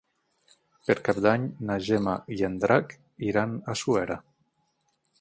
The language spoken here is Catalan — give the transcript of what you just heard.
Per Cap d'Any na Gemma i en Drac iran a Suera.